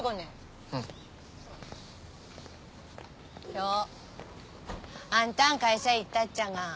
今日あんたん会社行ったっちゃが。